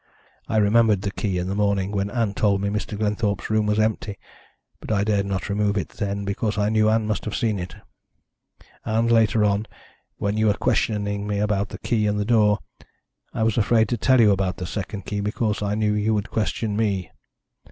"I remembered the key in the morning when Ann told me Mr. Glenthorpe's room was empty, but I dared not remove it then because I knew Ann must have seen it. And later on, when you were questioning me about the key in the door, I was afraid to tell you about the second key, because I knew you would question me.